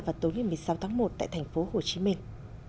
vào tối ngày một mươi sáu tháng một tại thành phố hồ chí minh